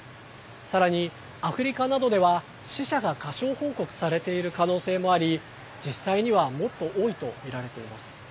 さらにアフリカなどでは死者が過小報告されている可能性もあり実際にはもっと多いとみられています。